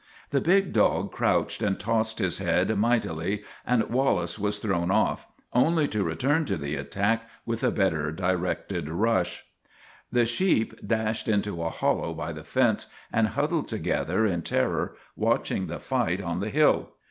The big dog crouched and tossed his head mightily, and Wallace was thrown off, only to return to the attack with a better directed rush. 38 THE TWA DOGS O' GLENFERGUS The sheep dashed into a hollow by the fence and huddled together in terror, watching the fight on the hill.